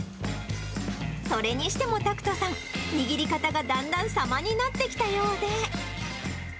それにしても拓人さん、握り方がだんだんさまになってきたようで。